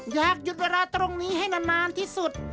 อยากหยุดเวลาตรงนี้ให้นานที่สุด